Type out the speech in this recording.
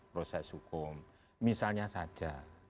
proses hukum misalnya saja